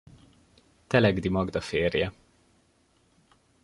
Telegdi Magda férje.